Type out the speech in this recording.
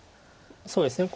そうですね。